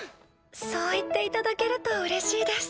そう言っていただけるとうれしいです。